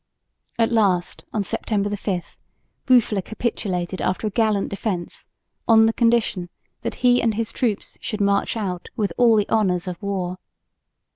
At last, on September 5, Boufflers capitulated after a gallant defence on the condition that he and his troops should march out with all the honours of war.